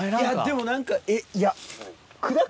でも何かえっいや。